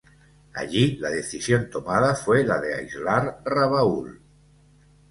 Allí, la decisión tomada fue la de aislar Rabaul.